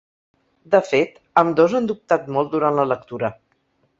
De fet, ambdós han dubtat molt durant la lectura.